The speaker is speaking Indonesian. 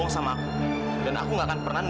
denger mama dengerin nanti